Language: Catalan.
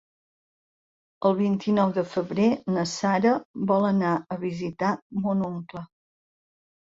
El vint-i-nou de febrer na Sara vol anar a visitar mon oncle.